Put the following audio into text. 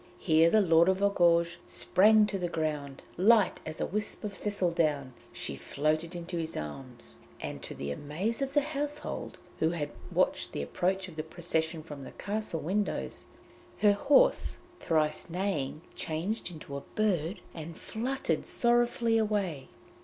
Here the Lord of Argouges sprang to the ground; light as a wisp of thistledown, she floated into his arms, and to the amaze of the household, who had watched the approach of the procession from the castle windows, her horse, thrice neighing, changed into a bird, and fluttered sorrowfully away.